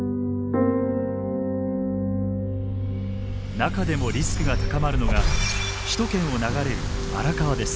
中でもリスクが高まるのが首都圏を流れる荒川です。